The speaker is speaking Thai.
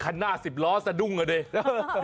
แล้วน้องคนนี้ก็เหมือนคนที่มาดูแล้วก็ขอเพลงอะไรแบบนี้